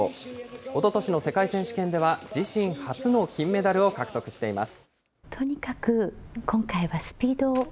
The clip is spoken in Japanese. おととしの世界選手権では、自身初の金メダルを獲得しています。